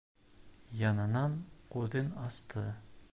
Яңынан күҙен асты.